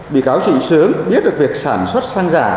bị cáo trịnh sướng biết được việc sản xuất xăng giả